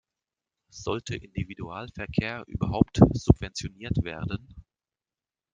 Sollte Individualverkehr überhaupt subventioniert werden?